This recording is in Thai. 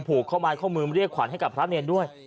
ผูกข้อไม้ข้อมือเรียกขวัญให้กับพระเนรด้วย